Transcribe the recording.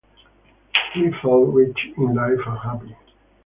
He felt rich in life and happy.